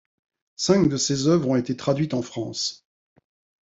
Cinq de ses œuvres ont été traduites en France.